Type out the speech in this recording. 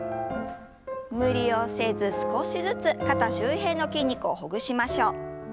無理をせず少しずつ肩周辺の筋肉をほぐしましょう。